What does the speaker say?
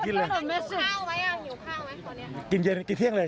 กินเย็นกินเที่ยงเลย